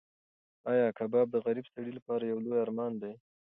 ایا کباب د غریب سړي لپاره یو لوی ارمان دی؟